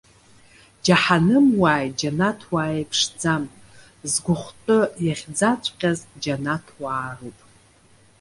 Џьаҳанымуааи џьанаҭуааи иеиԥшӡам. Згәыхәтәы иахьӡаҵәҟьаз џьанаҭуаа роуп.